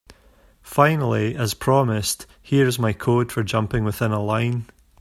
Finally, as promised, here is my code for jumping within a line.